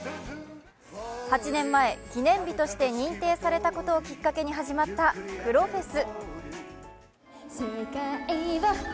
８年前、記念日として認定されたことをきっかけに始まった黒フェス。